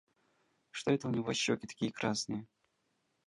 Что это у него щеки такие красные?